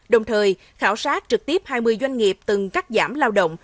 đồng thời khảo sát trực tiếp hai mươi doanh nghiệp từng cắt giảm lao động